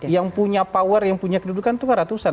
yang punya power yang punya kedudukan itu kan ratusan